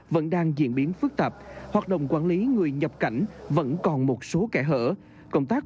vẫn đang diễn biến phức tạp hoạt động quản lý người nhập cảnh vẫn còn một số kẻ hở